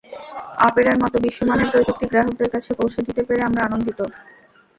অপেরার মতো বিশ্বমানের প্রযুক্তি গ্রাহকদের কাছে পৌঁছে দিতে পেরে আমরা আনন্দিত।